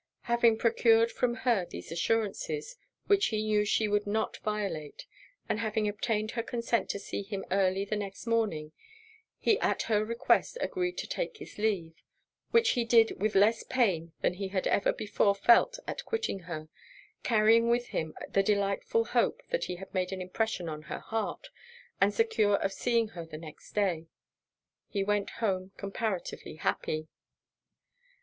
Having procured from her these assurances, which he knew she would not violate, and having obtained her consent to see him early the next morning, he at her request agreed to take his leave; which he did with less pain than he had ever before felt at quitting her; carrying with him the delightful hope that he had made an impression on her heart, and secure of seeing her the next day, he went home comparatively happy.